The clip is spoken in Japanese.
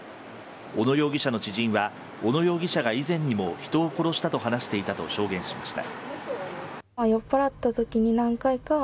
小野容疑者の知人は小野容疑者が以前にも人を殺したと話していたと証言しました。